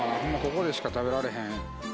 ここでしか食べられへん。